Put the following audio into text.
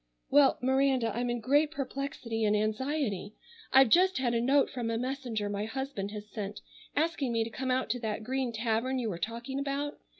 "Well, Miranda, I'm in great perplexity and anxiety. I've just had a note from a messenger my husband has sent asking me to come out to that Green Tavern you were talking about.